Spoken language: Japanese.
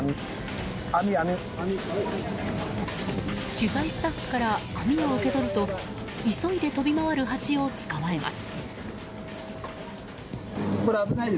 取材スタッフから網を受け取ると急いで飛び回るハチをつかまえます。